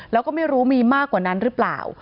แล้วก็ไม่รู้มีมากกว่านั้นหรือเปล่า